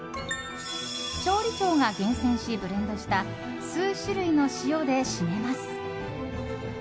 調理長が厳選しブレンドした数種類の塩で締めます。